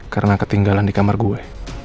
karena ketinggalan di kamar gue